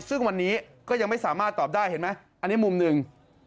ซึ่งวันนี้ก็ยังไม่สามารถตอบได้เห็นไหมอันนี้มุมหนึ่ง